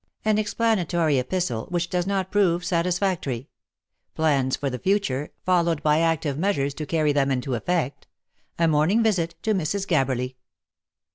AN EXPLANATORY EPISTLE, WHICH DOES NOT PROVE SATISFACTORY PLANS FOR THE FUTURE, FOLLOWED BY ACTIVE MEASURES TO CAURY THEM INTO EFFECT A MORNING VISIT TO MRS. GABBERLY.